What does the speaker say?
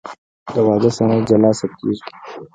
د واده سند جلا ثبتېږي.